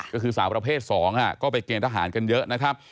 ก็คือสาวประเภท๒ก็ไปเกณฑหารกันเยอะนะครับ